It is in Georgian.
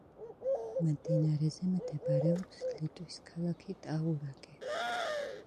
მდინარეზე მდებარეობს ლიტვის ქალაქი ტაურაგე.